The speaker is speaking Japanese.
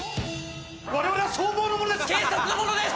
我々は消防の者です！